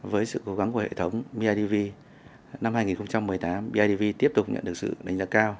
với sự cố gắng của hệ thống bidv năm hai nghìn một mươi tám bidv tiếp tục nhận được sự đánh giá cao